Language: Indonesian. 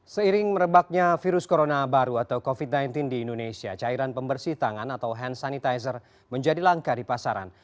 seiring merebaknya virus corona baru atau covid sembilan belas di indonesia cairan pembersih tangan atau hand sanitizer menjadi langka di pasaran